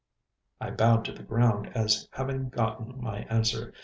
I bowed to the ground as having gotten my answer.